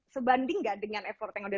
sebanding gak dengan effort yang udah